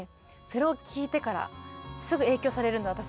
それを聞いてからすぐ影響されるんで私。